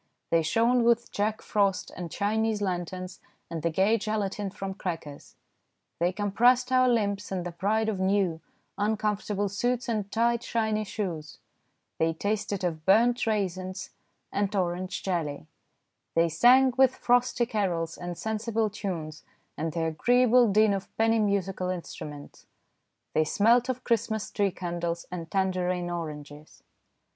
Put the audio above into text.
They shone with Jack Frost and Chinese lanterns and the gay gelatine from crackers ; they compressed our limbs in the pride of new, uncomfortable suits and tight, shiny shoes ; they tasted of burnt raisins and orange jelly ; they sang with frosty carols and sensible tunes and the agreeable din of penny musical instruments ; they smelt of Christmas tree candles and tangerine oranges.